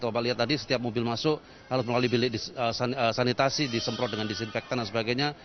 coba lihat tadi setiap mobil masuk harus melalui bilik di sanitasi disemprot dengan disinfektan dan sebagainya